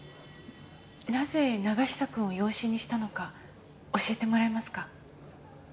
なぜ永久くんを養子にしたのか教えてもらえますか？